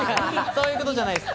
そういうことじゃないです。